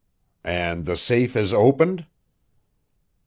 "And the safe is opened?"